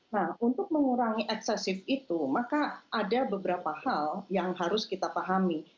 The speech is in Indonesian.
nah untuk mengurangi eksesif itu maka ada beberapa hal yang harus kita pahami